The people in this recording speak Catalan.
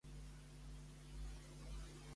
Volem que punxis música indie.